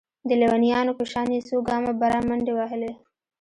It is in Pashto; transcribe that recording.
د ليونيانو په شان يې څو ګامه بره منډې وهلې.